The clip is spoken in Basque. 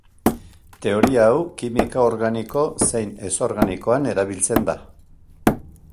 Teoria hau kimika organiko zein ez-organikoan erabiltzen da.